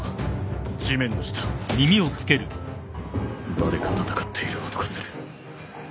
誰か戦っている音がする